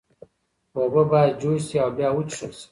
اوبه باید جوش شي او بیا وڅښل شي.